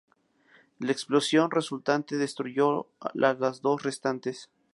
La explosión resultante destruyó a las dos restantes.